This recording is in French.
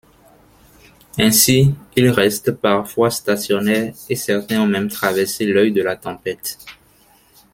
Ainsi, ils restent parfois stationnaires et certains ont même traversé l'œil de la tempête.